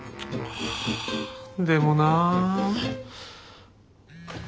あでもな。